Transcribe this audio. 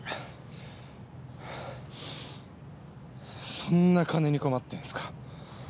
そんな金に困ってんすか。